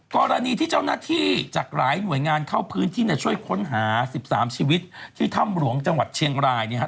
กรณีที่เจ้าหน้าที่จากหลายหน่วยงานเข้าพื้นที่ช่วยค้นหา๑๓ชีวิตที่ถ้ำหลวงจังหวัดเชียงรายเนี่ยฮะ